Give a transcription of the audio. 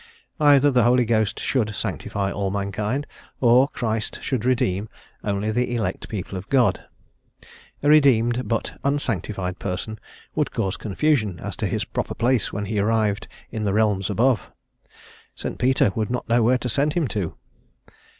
Either the Holy Ghost should sanctify all mankind, or Christ should redeem only the elect people of God. A redeemed, but unsanctified, person would cause confusion as to his proper place when he arrived in the realms above; St. Peter would not know where to send him to.